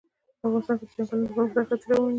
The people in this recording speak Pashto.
افغانستان کې د چنګلونه د پرمختګ هڅې روانې دي.